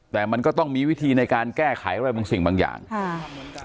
แต่มันก็ต้องมีวิธีในการแก้ไขอะไรบางสิ่งบางอย่างค่ะ